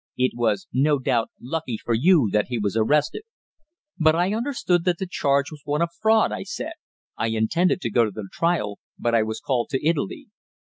It was no doubt lucky for you that he was arrested." "But I understood that the charge was one of fraud," I said. "I intended to go to the trial, but I was called to Italy."